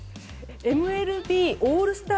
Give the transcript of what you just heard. ＭＬＢオールスター